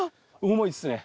重いっすね。